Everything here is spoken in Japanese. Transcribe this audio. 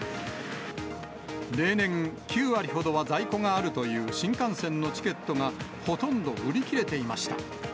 例年、９割ほどは在庫があるという新幹線のチケットがほとんど売り切れていました。